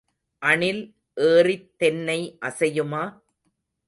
அணில் ஏறித் தென்னை அசையுமா?